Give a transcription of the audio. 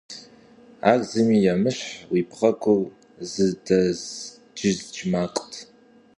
Ар зыми емыщхь, уи бгъэгур зыдэзджыздж макът.